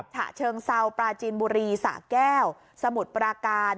ฉะเชิงเซาปราจีนบุรีสะแก้วสมุทรปราการ